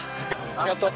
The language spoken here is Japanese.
ありがとう。